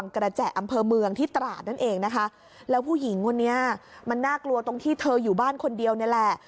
คนเนี่ยมันน่ากลัวตรงที่เธออยู่บ้านคนเดียวนี่แหละ